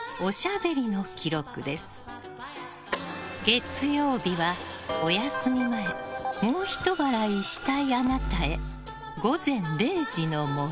月曜日は、お休み前もうひと笑いしたいあなたへ。